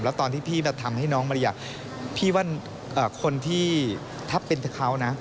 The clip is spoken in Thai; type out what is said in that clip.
แล้วตอนที่พี่ทำให้น้องมาริยาพี่ว่าคนที่ถ้าเป็นเขานะ